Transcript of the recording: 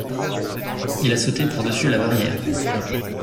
Il a sauté par-dessus la barrière.